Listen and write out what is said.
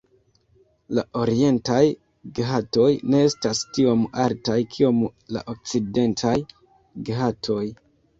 La Orientaj Ghatoj ne estas tiom altaj kiom la Okcidentaj Ghatoj.